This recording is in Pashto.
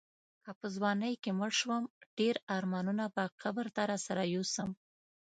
که په ځوانۍ کې مړ شوم ډېر ارمانونه به قبر ته راسره یوسم.